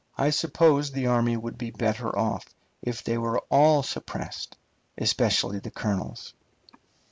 I suppose the army would be better off if they were all suppressed, especially the colonels.